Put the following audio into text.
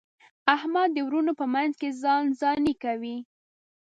احمد د وروڼو په منځ کې ځان ځاني کوي.